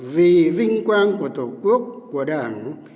vì vinh quang của tổ quốc của đảng